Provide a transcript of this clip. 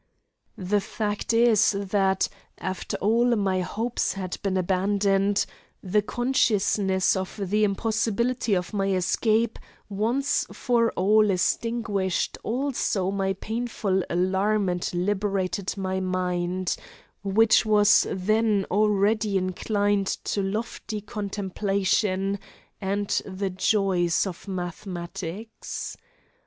The fact is that, after all my hopes had been abandoned, the consciousness of the impossibility of my escape once for all extinguished also my painful alarm and liberated my mind, which was then already inclined to lofty contemplation and the joys of mathematics.